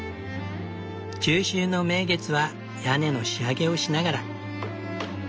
中秋の名月は屋根の仕上げをしながら。